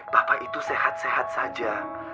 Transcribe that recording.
bapak itu sehat sehat saja